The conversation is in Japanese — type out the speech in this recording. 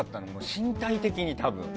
身体的に、多分。